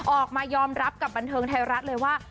ออกมายอมรับกับบันเทิงไทยรัฐเลยว่า